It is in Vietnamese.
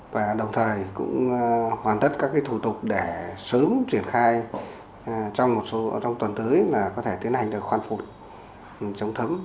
và đồng thời cũng hoàn tất các thủ tục để sớm triển khai trong tuần tới là có thể tiến hành được khoan phục chống thấm